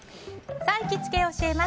さあ、行きつけ教えます！